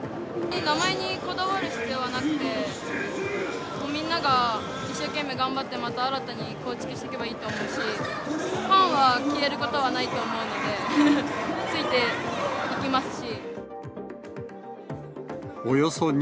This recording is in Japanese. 名前にこだわる必要はなくて、みんなが一生懸命頑張って、また新たに構築していけばいいと思うし、ファンは消えることはないと思うので、ついていきますし。